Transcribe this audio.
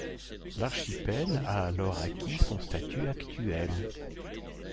L'archipel a alors acquis son statut actuel.